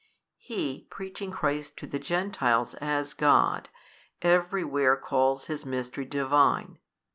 He preaching Christ to the Gentiles |211 as God, every where calls His Mystery Divine 24.